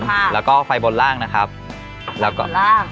ค่ะแล้วก็ไฟบนล่างนะครับแล้วก็ล่าง